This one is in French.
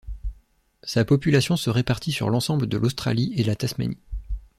Sa population se répartit sur l'ensemble de l'Australie et la Tasmanie.